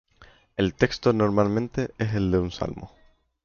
El texto normalmente es el de un salmo.